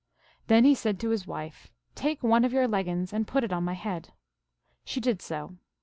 Then he said to his wife, 4 Take one of your leggins and put it on my head. She did so.